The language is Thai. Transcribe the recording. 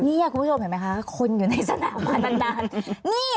นี่คุณผู้ชมเห็นไหมคะคนอยู่ในสนามมานาน